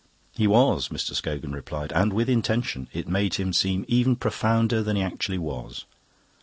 "He was," Mr. Scogan replied, "and with intention. It made him seem even profounder than he actually was.